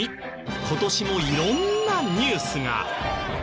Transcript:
今年もいろんなニュースが。